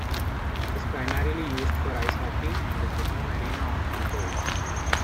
It is primarily used for ice hockey, and is the home arena of TuTo.